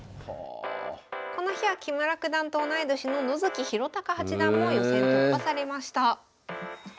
この日は木村九段と同い年の野月浩貴八段も予選突破されました。